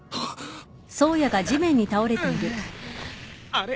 あれ？